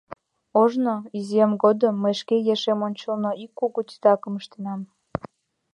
Ожно, изиэм годым, мый шке ешем ончылно ик кугу титакым ыштенам.